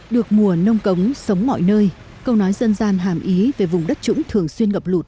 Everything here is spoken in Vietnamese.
được mùa nông cống sống mọi nơi câu nói dân gian hàm ý về vùng đất trũng thường xuyên ngập lụt